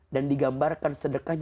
dan digambarkan sedekah